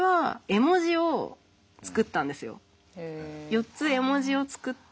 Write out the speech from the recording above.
４つ絵文字を作って。